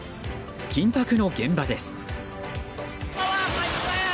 緊迫の現場です。